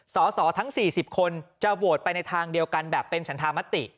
สอสอทั้ง๔๐คนจะโหวตไปในทางเดียวกันแบบเป็นฉันธามติ